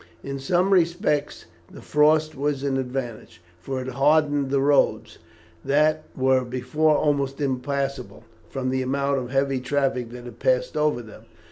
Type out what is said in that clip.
In some respects the frost was an advantage, for it hardened the roads, that were before often almost impassable from the amount of heavy traffic that had passed over them.